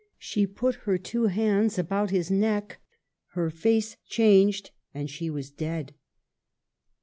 She put her two hands about his neck, her face changed, and she was dead.